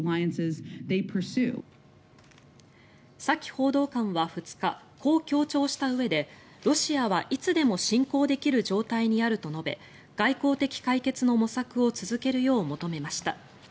サキ報道官は２日こう強調したうえでロシアはいつでも侵攻できる状態にあると述べ外交的解決の模索を続けるよう求めました。